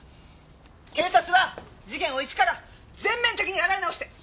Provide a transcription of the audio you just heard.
警察は事件を一から全面的に洗い直して。